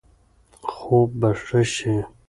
خوب به ښه شي.